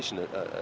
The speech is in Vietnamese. trong phương pháp